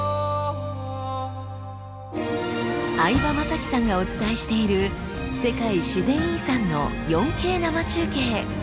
相葉雅紀さんがお伝えしている世界自然遺産の４Ｋ生中継。